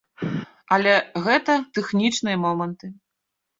Але гэта тэхнічныя моманты.